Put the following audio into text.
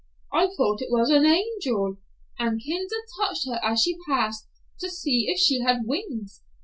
I thought it was an angel, and kinder touched her as she passed, to see if she had wings.